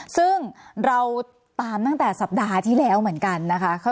ซึ่งเราตามตั้งแต่สัปดาห์ที่แล้วเหมือนกันนะคะ